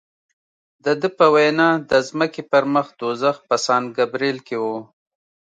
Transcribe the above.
د ده په وینا د ځمکې پر مخ دوزخ په سان ګبرېل کې و.